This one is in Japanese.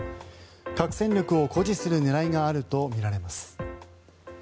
核戦力を誇示する狙いがあるとみられます。